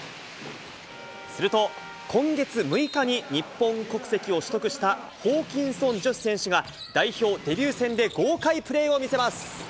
すると、今月６日に日本国籍を取得したホーキンソンジョシュ選手が、代表デビュー戦で豪快プレーを見せます。